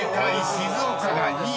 「静岡」が２位です］